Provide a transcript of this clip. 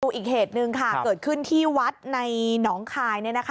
อีกเหตุหนึ่งค่ะเกิดขึ้นที่วัดในหนองคาย